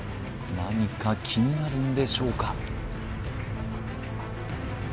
何か気になるんでしょうか？